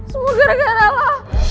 semua gara gara lo